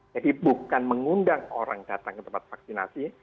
jadi bukan mengundang orang datang ke tempat vaksinasi